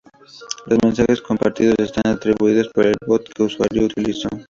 Los mensajes compartidos están atribuidos por el bot que el usuario utilizó.